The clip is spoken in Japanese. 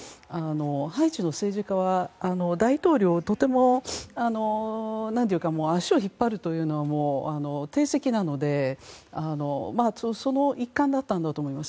ハイチの政治家は大統領とても足を引っ張るというのは定石なのでその一環だったんだと思います。